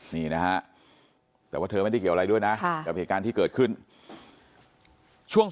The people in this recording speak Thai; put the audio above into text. นี่นะฮะแต่ว่าเธอไม่ได้เกี่ยวอะไรด้วยนะกับเหตุการณ์ที่เกิดขึ้นช่วง